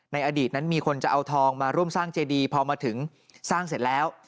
อดีตนั้นมีคนจะเอาทองมาร่วมสร้างเจดีพอมาถึงสร้างเสร็จแล้ว